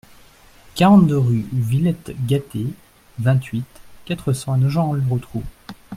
quarante-deux rue Villette Gâté, vingt-huit, quatre cents à Nogent-le-Rotrou